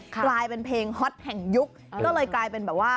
กลายเป็นเพลงฮอตแห่งยุคก็เลยกลายเป็นแบบว่า